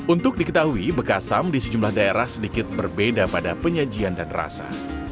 untuk diketahui bekasam di sejumlah daerah sedikit berbeda pada penyajian dan rasa